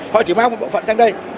họ chỉ mang một bộ phận sang đây